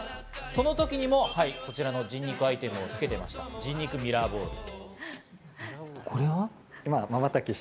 その時にもこちらの人肉アイテムをつけていました、人肉ミラーボール。